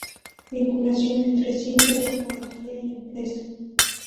Vinculación entre Ciencia, Tecnología y Empresa.